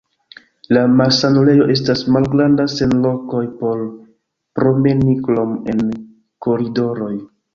La malsanulejo estas malgranda, sen lokoj por promeni krom en koridoroj.